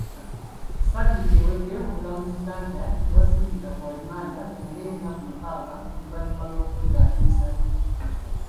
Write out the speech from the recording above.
Sabiiti ewedde Omulamuzi Nankya yabasindika ku alimanda bamaleyo ennaku mukaaga oluvannyuma lw'okwegaana emisango gino.